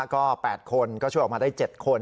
ก็๘คนก็ช่วยออกมาได้๗คน